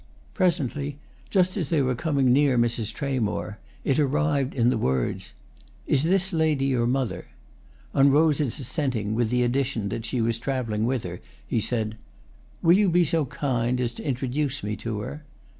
Presently, just as they were coming near Mrs. Tramore, it arrived in the words "Is this lady your mother?" On Rose's assenting, with the addition that she was travelling with her, he said: "Will you be so kind as to introduce me to her?"